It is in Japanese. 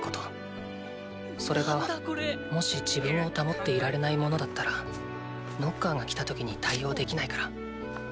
それがもし自分を保っていられないものだったらノッカーが来た時に対応できないから。